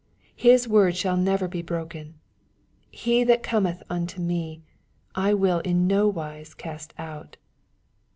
His word shall never be broken :" Him that cometh unto me, I wiU in nowise cast out."